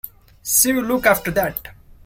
See you look after that.